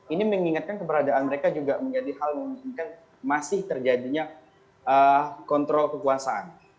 ini mengingatkan keberadaan mereka juga menjadi hal memungkinkan masih terjadinya kontrol kekuasaan